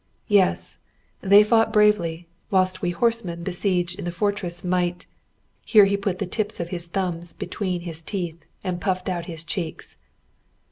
"Yes, they fought bravely, whilst we horsemen besieged in the fortress might" here he put the tips of his thumbs between his teeth and puffed out his cheeks.